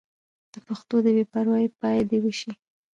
د پښتو د بې پروايۍ پای دې وشي.